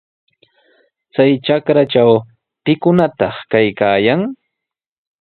Chay trakratraw, ¿pikunataq kaykaayan?